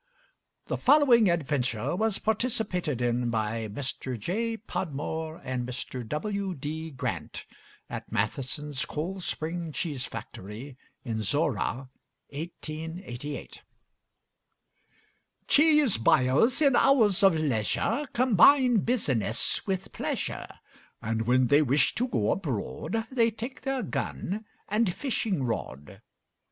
The following adventure was participated in by Mr. J. Podmore and Mr. W. D. Grant at Matheson's Cold Spring Cheese Factory in Zorra, 1888. Cheese buyers in hours of leisure Combine business with pleasure, And when they wish to go abroad They take their gun and fishing rod.